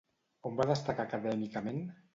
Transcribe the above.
On va destacar acadèmicament?